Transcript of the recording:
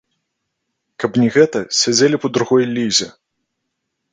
Каб не гэта, сядзелі б у другой лізе!